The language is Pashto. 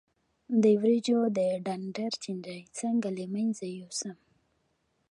د وریجو د ډنډر چینجی څنګه له منځه یوسم؟